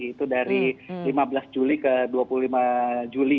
itu dari lima belas juli ke dua puluh lima juli